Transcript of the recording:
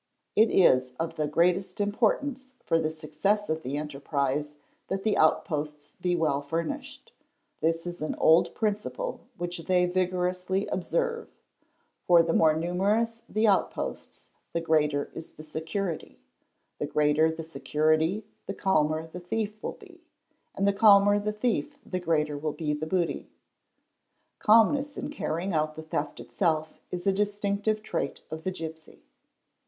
It is of the greatest importance for the success of the enterprise that the outposts be well furnished. This is an old principle, which they vigorously observe, for the more numerous the outposts the greater is the security ; the greater the security the calmer the thief will be; and the calmer the thief the greater will be the booty. Calmness in carrying out the theft itself is a distinctive trait of the gipsy.